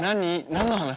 何の話？